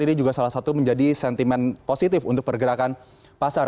ini juga salah satu menjadi sentimen positif untuk pergerakan pasar